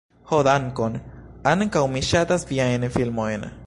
Ho dankon! ankaŭ mi ŝatas viajn filmojn